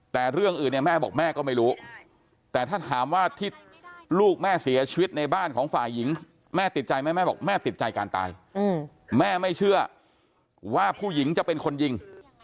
แต่เรื่องอื่นเนี่ยแม่บอกแม่ก็ไม่รู้แต่ถ้าถามว่าที่ลูกแม่เสียชีวิตในบ้านของฝ่ายหญิงแม่ติดใจไหมแม่บอกแม่ติดใจการตายแม่ไม่เชื่อว่าผู้หญิงจะเป็นคนยิง